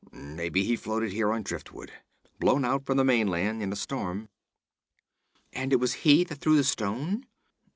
Maybe he floated here on driftwood, blown out from the mainland in a storm.' 'And it was he that threw the stone?'